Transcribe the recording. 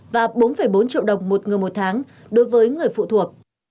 và bốn bốn triệu đồng một người một tháng đối với người phụ thuộc